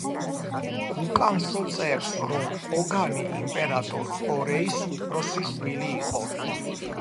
გუკანშო წერს, რომ კოგანი იმპერატორ კორეის უფროსი შვილი იყო.